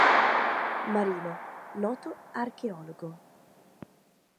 Marino, noto archeologo.